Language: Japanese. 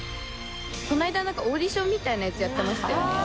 この間オーディションみたいなやつやってましたよね。